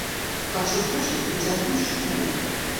Хачу трошкі падцягнуць жывот.